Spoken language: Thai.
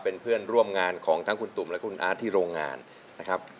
เป็นเพื่อนร่วมงานของทั้งคุณตุ่มและคุณอาร์ตที่โรงงานนะครับ